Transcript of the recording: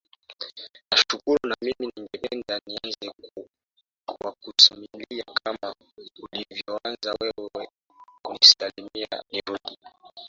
nashukuru na mimi ningependa nianze kwa kukusalimia kama ulivyoanza wewe kunisalimia nurdi